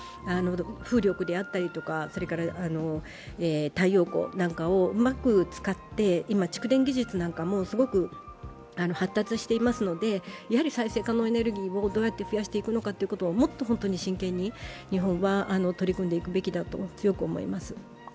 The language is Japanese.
風力であったりとか、太陽光なんかをうまく使って、今、蓄電技術なんかもすごく発達していますので再生可能エネルギーをどうやって増やしていくかもっと本当に真剣に日本は取り組んでいくべきだと強く思います。